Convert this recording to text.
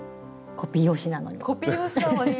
コピー用紙なのに。